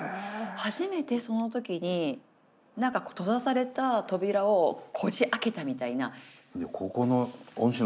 初めてその時に何か閉ざされた扉をこじ開けたみたいな。